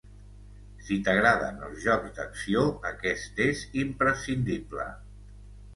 Si t'agraden els jocs d’acció, aquest és imprescindible.